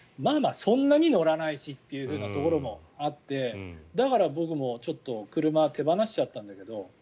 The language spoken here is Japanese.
そんなに乗らないしというところもあってだから、僕も車を手放しちゃったんだけど。